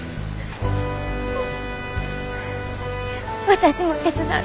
私も手伝う。